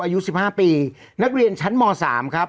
อายุ๑๕ปีนักเรียนชั้นม๓ครับ